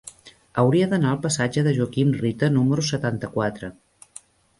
Hauria d'anar al passatge de Joaquim Rita número setanta-quatre.